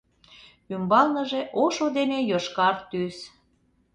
Ӱмбалныже ошо ден йошкар тӱс.